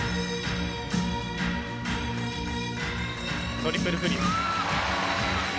トリプルフリップ。